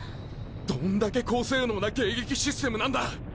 どんだけ高性能な迎撃システムなんだ！